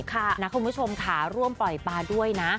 นะคุณผู้ชมค่ะร่วมปล่อยปลาด้วยนะ